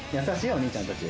お兄ちゃんたち。